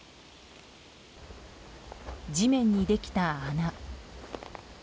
地面にできた穴。